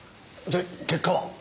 で結果は？